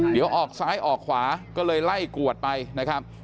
เดี๋ยวออกซ้ายออกขวาก็เลยไล่กวดไปนะครับ